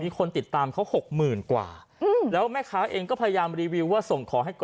คนติดตามเขา๖๐๐๐กว่าแล้วแม่ค้าเองก็พยายามรีวิวว่าส่งของให้ก่อน